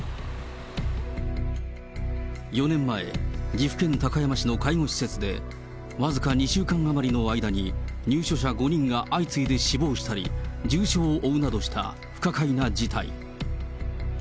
４年前、岐阜県高山市の介護施設で、僅か２週間余りの間に入所者５人が相次いで死亡したり、重傷を負うなどした不可解な事態。